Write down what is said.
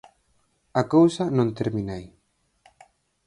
A cousa non termina aí.